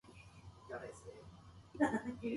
あんぱんがたべたい